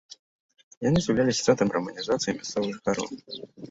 Яны з'яўляліся цэнтрамі раманізацыі мясцовых жыхароў.